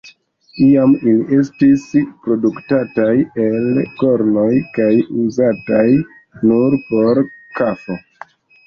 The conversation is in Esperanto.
Iam ili estis produktataj el kornoj kaj uzataj nur por kafo.